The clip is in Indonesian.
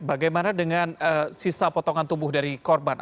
bagaimana dengan sisa potongan tubuh dari korban